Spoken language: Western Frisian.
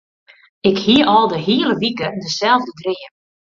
Ik hie al de hiele wike deselde dream.